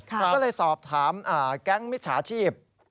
ก็เลยสอบถามแก๊งมิจฉาชีพ